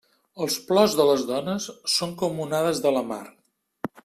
Els plors de les dones són com onades de la mar.